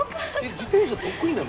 自転車得意なの？